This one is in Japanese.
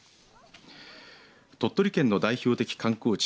鳥取県の代表的観光地